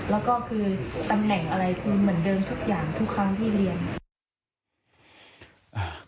แล้วก็คือตำแหน่งอะไรคือเหมือนเดิมทุกอย่างทุกครั้งที่เรียน